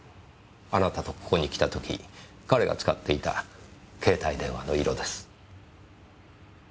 あなたとここに来た時彼が使っていた携帯電話の色です。